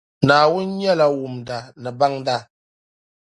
Naawuni nyɛla Wumda ni Baŋda